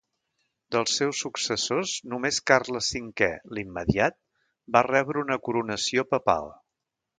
Dels seus successors només Carles Cinquè, l'immediat, va rebre una coronació papal.